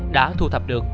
đã thu thập được